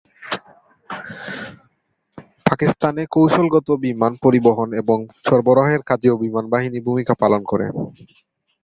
পাকিস্তানে কৌশলগত বিমান পরিবহন এবং সরবরাহের কাজেও বিমানবাহিনী ভূমিকা পালন করে।